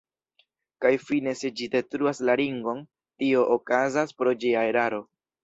Kaj fine se ĝi detruas la Ringon, tio okazas pro ĝia eraro.